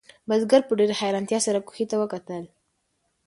بزګر په ډېرې حیرانتیا سره کوهي ته وکتل.